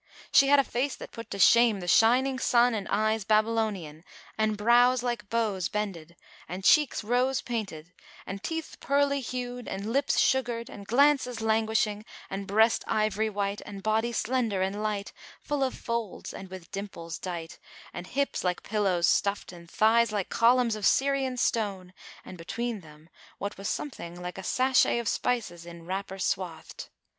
She had a face that put to shame the shining sun and eyes Babylonian[FN#422] and brows like bows bended and cheeks rose painted and teeth pearly hued and lips sugared and glances languishing and breast ivory white and body slender and slight, full of folds and with dimples dight and hips like pillows stuffed and thighs like columns of Syrian stone, and between them what was something like a sachet of spices in wrapper swathed.